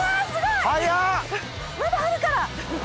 まだあるから。